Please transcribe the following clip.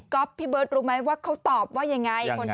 ก็พี่เบิร์ตรู้ไหมว่าเขาตอบว่ายังไง